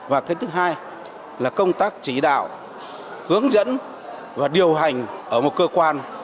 và cái thứ hai là công tác chỉ đạo hướng dẫn và điều hành ở một cơ quan